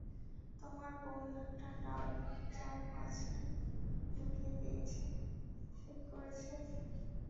তোমার বোন একটা ডার্ট তার পাছায় ঢুকিয়ে দিয়েছে সে করেছে?